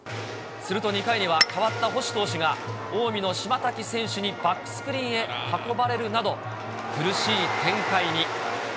すると２回には、変わった星投手が近江の島滝選手にバックスクリーンへ運ばれるなど、苦しい展開に。